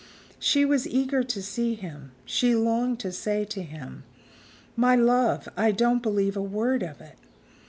She was eager to see him; she longed to say to him: "My love, I don't believe a word of it!"